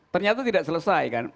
ternyata tidak selesai kan